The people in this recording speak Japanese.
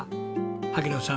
萩野さん